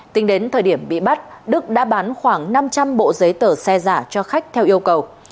tính đến thời điểm bị bắt đức đã bán khoảng năm trăm linh bộ giấy tờ xe giả cho khách theo yêu cầu